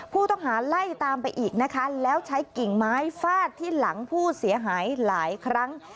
ผู้ต้องหาไล่ตามไปอีกนะคะแล้วใช้กิ่งไม้ฟาดที่หลังผู้เสียหายหลายครั้ง